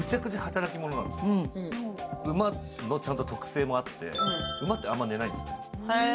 馬の特性もあって、馬ってあんまり寝ないんです。